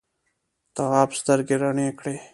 تواب سترګې رڼې کړې.